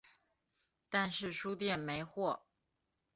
但是书店没货